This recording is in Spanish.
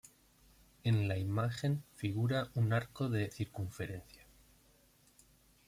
En la imagen figura un arco de circunferencia.